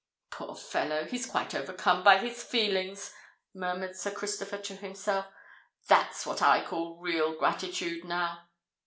"Poor fellow! he's quite overcome by his feelings," murmured Sir Christopher to himself. "That's what I call real gratitude, now!"